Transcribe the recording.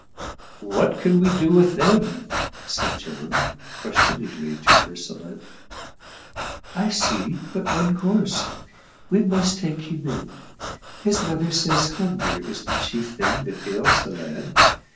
"What can we do with them?" said John, questioningly to Ursula. "I see but one course. We must take him in; his mother says hunger is the chief thing that ails the lad.